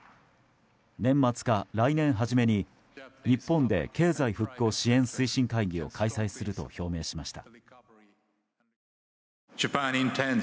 年末か来年初めに日本で経済復興支援推進会議を開催すると表明しました。